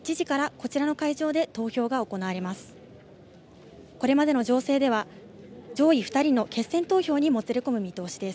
これまでの情勢では上位２人の決選投票にもつれ込む見通しです。